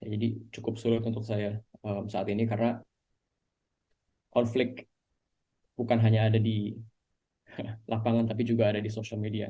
jadi cukup sulit untuk saya saat ini karena konflik bukan hanya ada di lapangan tapi juga ada di sosial media